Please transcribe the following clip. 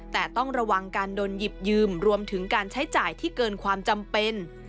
แต่ต้องระวังการโดนหยิบยืมรวมถึงการใช้จ่ายที่เกินความจำเป็น